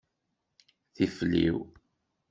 Tifliw.